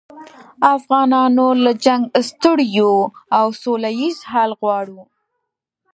افغانان نور له جنګه ستړي یوو او سوله ییز حل غواړو